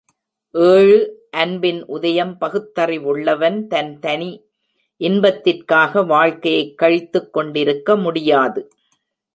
ஏழு அன்பின் உதயம் பகுத்தறிவுள்ளவன் தன் தனி இன்பத்திற்காக வாழ்க்கையைக் கழித்து கொண்டிருக்க முடியாது.